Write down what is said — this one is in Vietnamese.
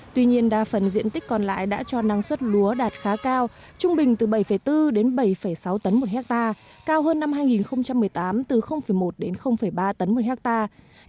tuy nhiên đa phần diện tích còn lại đã cho năng suất lúa đạt khá cao trung bình từ bảy bốn đến bảy sáu tấn một hectare cao hơn năm hai nghìn một mươi tám từ một đến ba tấn một hectare